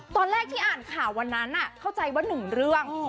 ตอนแรกที่อ่านข่าววันนั้นเข้าใจว่านุ่มเรื่อง